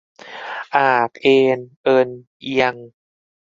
อาก เอน เอิน เอียง